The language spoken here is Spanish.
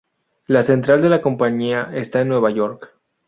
La central de la compañía está en Nueva York.